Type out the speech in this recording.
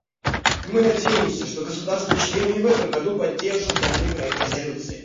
Мы надеемся, что государства-члены и в этом году поддержат данный проект резолюции.